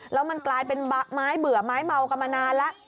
แล้วมันกลายเป็นไม้เบื่อไม้เมากันมานานแล้ว